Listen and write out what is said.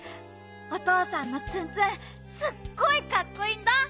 おとうさんのツンツンすっごいかっこいいんだ！